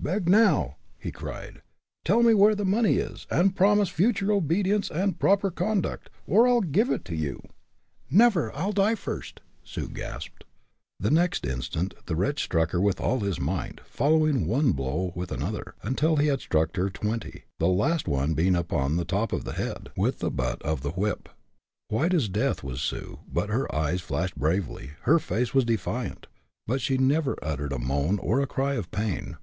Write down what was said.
"Beg, now!" he cried. "Tell me where the money is, and promise future obedience and proper conduct, or I'll give it to you!" "Never! I'll die first!" Sue gasped. The next instant the wretch struck her with all his might, following one blow with another, until he had struck her twenty, the last one being upon the top of the head, with the butt of the whip. White as death was Sue, but her eyes flashed bravely, her face was defiant but she never uttered a moan or cry of pain.